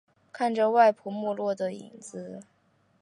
看着外婆落寞的身影